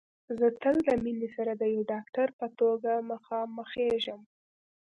زه تل د مينې سره د يوه ډاکټر په توګه مخامخېږم